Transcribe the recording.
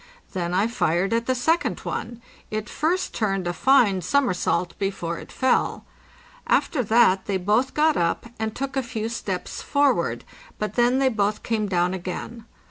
Then I fired at the second one. It first turned a fine somersault before it fell. After that they both got up and took a few steps forward, but then they both came down again.